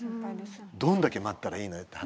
どんだけ待ったらいいのよって話だよね。